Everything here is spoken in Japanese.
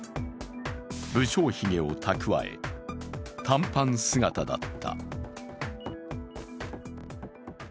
不精ひげをたくわえ、短パン姿だった。